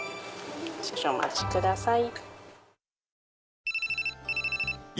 少々お待ちください。